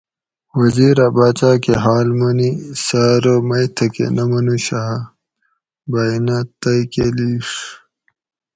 وزیر اۤ باۤچاۤ کہ حال منی سہۤ ارو مئ تھکہۤ نہ منوش آۤ ؟ بئ نہۤ تئ کہ لِیڛ